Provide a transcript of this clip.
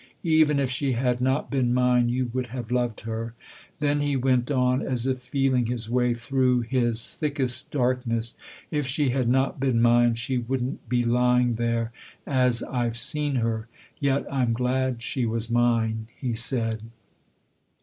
Even if she had not been mine you would have loved her." Then he went on, as if feeling his way through his thickest darkness :" If she had not been mine she wouldn't be lying there as I've seen her. Yet I'm glad she was mine !" he said.